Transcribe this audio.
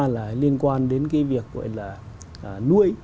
là liên quan đến cái việc gọi là nuôi